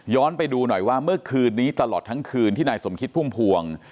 ย้อนไปดูหน่อยว่าเมื่อคืนนี้คืนที่สมคิดพ่ง